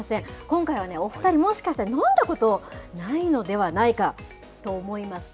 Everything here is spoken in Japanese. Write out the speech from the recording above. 今回はね、お２人、もしかしたら飲んだことないのではないかと思います。